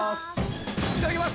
いただきます。